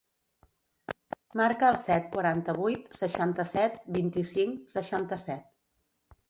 Marca el set, quaranta-vuit, seixanta-set, vint-i-cinc, seixanta-set.